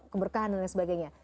keberkahan dan lain sebagainya